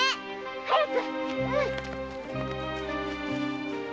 早く！